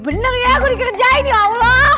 bener bener ya gua dikerjain ya allah